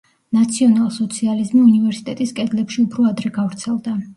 ნაციონალ-სოციალიზმი უნივერსიტეტის კედლებში უფრო ადრე გავრცელდა.